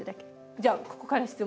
じゃあここから質問。